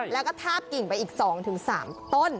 แล้วก็ทาบกิ่งไปอีก๒๓ต้น